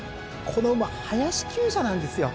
この馬林厩舎なんですよ。